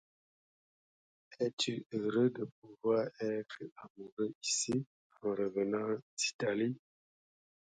Es-tu heureux de pouvoir être amoureux ici, en revenant d’Italie!